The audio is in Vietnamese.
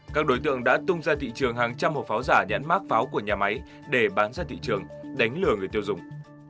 các đối tượng đã tung ra thị trường hàng trăm hộp pháo giả nhãn mát pháo của nhà máy để bán ra thị trường đánh lừa người tiêu dùng